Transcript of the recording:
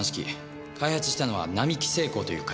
開発したのは並木精工という会社です。